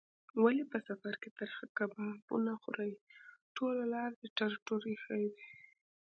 ولې په سفر کې ترخه کبابونه خورې؟ ټوله لار دې ټر ټور ایښی دی.